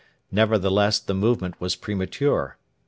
Nevertheless the movement was premature.